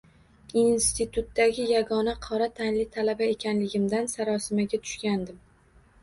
Institutdagi yagona qora tanli talaba ekanligimdan sarosimaga tushgandim